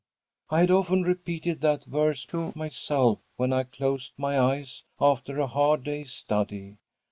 I had often repeated that verse to myself when I closed my eyes after a hard day's study.